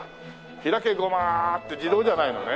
開けゴマ！って自動じゃないのね。